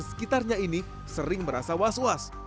sekitarnya ini sering merasa was was